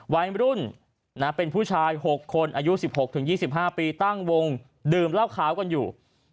วัยรุ่นเป็นผู้ชาย๖คนอายุ๑๖๒๕ปีตั้งวงดื่มเหล้าขาวกันอยู่